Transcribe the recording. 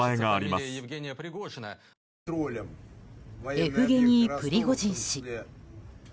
エフゲニー・プリゴジン氏。